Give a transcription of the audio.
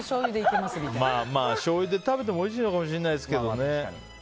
まあ、しょうゆで食べてもおいしいのかもしれないですけどね。